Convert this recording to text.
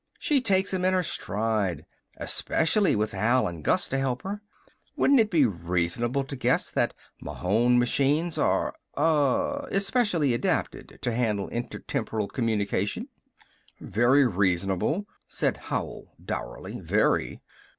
She takes 'em in her stride especial with Al and Gus to help her. Wouldn't it be reasonable to guess that Mahon machines are uh especial adapted to handle intertemporal communication?" "Very reasonable!" said Howell dourly. "Very!